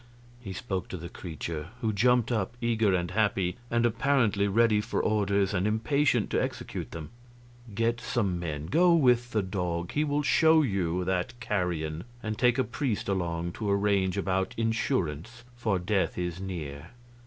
He spoke to the creature, who jumped up, eager and happy, and apparently ready for orders and impatient to execute them. "Get some men; go with the dog he will show you that carrion; and take a priest along to arrange about insurance, for death is near."